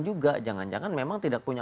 juga jangan jangan memang tidak punya